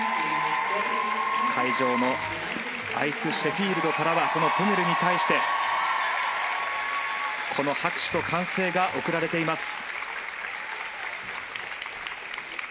会場のアイスシェフィールドからはこのテネルに対して拍手と歓声が送られています。